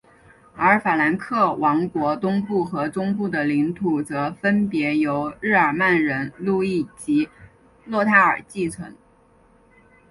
而法兰克王国东部和中部的领土则分别由日耳曼人路易及洛泰尔继承。